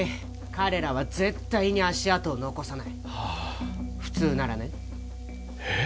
彼らは絶対に足跡を残さないはあ普通ならねえっ？